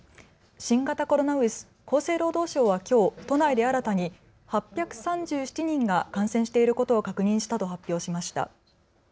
新型コロナウイルス、厚生労働省はきょう都内で新たに８３７人が感染していることを確認したと発表しました。